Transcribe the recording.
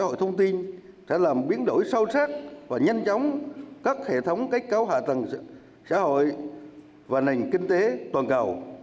cơ hội thông tin sẽ làm biến đổi sâu sắc và nhanh chóng các hệ thống cách cao hạ tầng xã hội và nền kinh tế toàn cầu